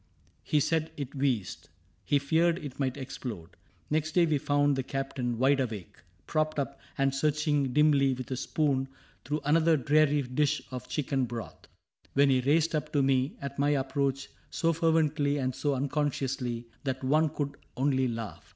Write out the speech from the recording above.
He said it wheezed. He feared it might explode. Next day we found the Captain wide awake. Propped up, and searching dimly with a spoon Through another dreary dish of chicken broth. CAPTAIN CRAIG 71 Which he raised up to me, at my approach. So fervently and so unconsciously, That one could only laugh.